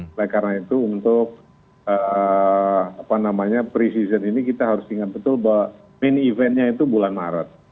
oleh karena itu untuk pre season ini kita harus ingat betul bahwa main eventnya itu bulan maret